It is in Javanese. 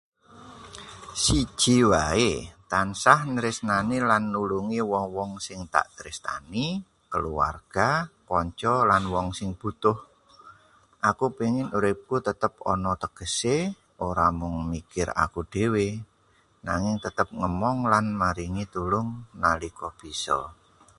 Siji wae, tansah nresnani lan nulungi wong-wong sing dak tresnani, keluarga, kanca, lan wong sing butuh. Aku pengin uripku tetep ana tegese, ora mung mikir aku dewe, nanging tetep ngemong lan maringi tulung nalika bisa.